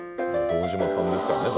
堂島さんですからね